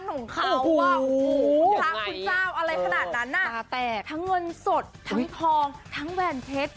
ทั้งเงินสดทั้งทองทั้งแวนเพชร